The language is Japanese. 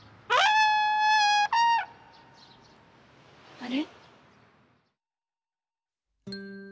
あれ？